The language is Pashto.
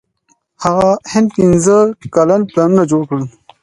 هند پنځه کلن پلانونه جوړ کړل.